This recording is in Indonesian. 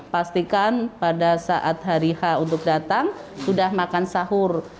pastikan pada saat hari h untuk datang sudah makan sahur